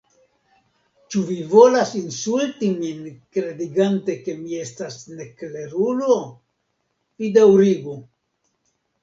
Ĉu vi volas insulti min kredigante ke mi estas neklerulo? vi daŭrigu!"